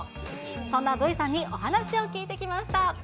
そんなＶさんにお話を聞いてきました。